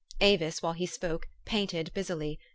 Avis, while he spoke, painted busily.